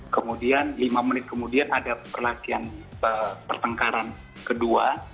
kemudian lima menit kemudian ada pertengkaran kedua